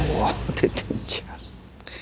出てんじゃん。